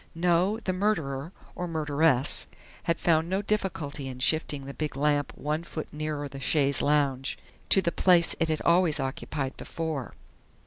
No, the murderer or murderess had found no difficulty in shifting the big lamp one foot nearer the chaise longue, to the place it had always occupied before.